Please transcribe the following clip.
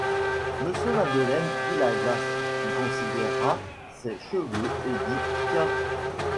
Monsieur Madeleine prit la glace, y considéra ses cheveux, et dit: Tiens!